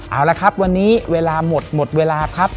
เอาละครับวันนี้เวลาหมดหมดเวลาครับ